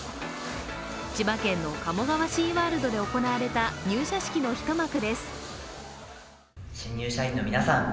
千葉県の鴨川シーワールドで行われた入社式の一幕です。